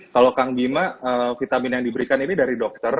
kalau kang bima vitamin yang diberikan ini dari dokter